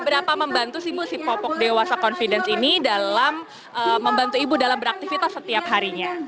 seberapa membantu sih ibu si popok dewasa confidence ini dalam membantu ibu dalam beraktivitas setiap harinya